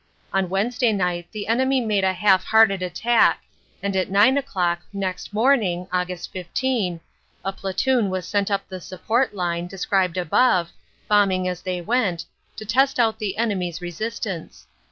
On Wednesday night the enemy made a half hearted attack, and at nine o clock next morning, Aug. 15, a platoon was sent up the support line, described above, bombing as they went, to test out the enemy s resistance.